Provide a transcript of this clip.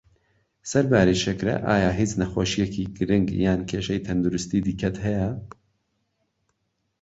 سەرباری شەکره، ئایا هیچ نەخۆشیەکی گرنگ یان کێشەی تەندروستی دیکەت هەیە؟